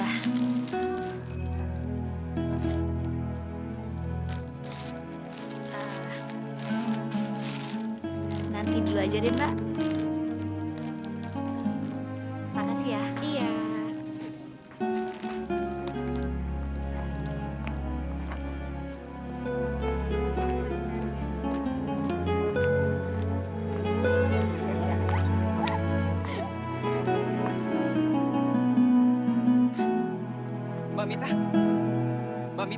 habis mbak bener bener lupa